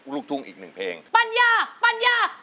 ร้องได้ให้ร้าน